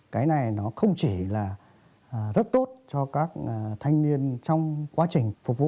cái này nó không chỉ là rất tốt cho các thanh niên trong quá trình phục vụ